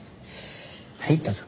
はいどうぞ。